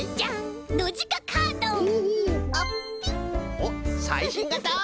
おっさいしんがた！